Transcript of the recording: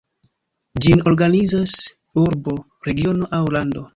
Ĝin organizas urbo, regiono aŭ lando.